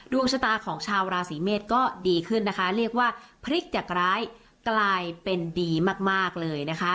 ดวงชะตาของชาวราศีเมษก็ดีขึ้นนะคะเรียกว่าพลิกจากร้ายกลายเป็นดีมากเลยนะคะ